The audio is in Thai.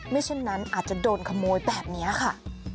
เช่นนั้นอาจจะโดนขโมยแบบนี้ค่ะ